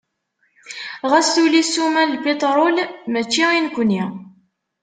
Ɣas tuli ssuma n lpitrul, mačči i nekni.